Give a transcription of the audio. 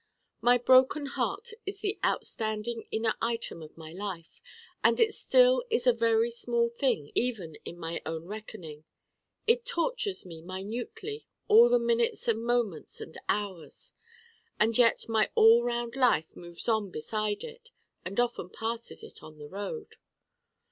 My Broken Heart is the outstanding inner item of my life: and it still is a very small thing even in my own reckoning. It tortures me minutely all the minutes and moments and hours. And yet my all round life moves on beside it and often passes it on the road.